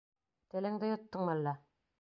— Телеңде йоттоңмо әллә?